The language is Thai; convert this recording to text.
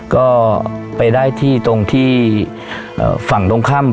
ก็ไปได้ที่ตรงที่ฝั่งตรงข้ามของโรงแรมนะครับ